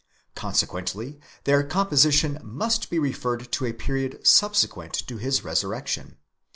Consequently their composition must be referred to a period subsequent to his resurrection.